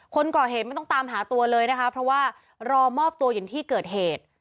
คนก่อเหตุไม่ต้องตามหาตัวเลยนะคะเพราะว่ารอมอบตัวอย่างที่เกิดเหตุ